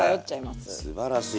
すばらしい。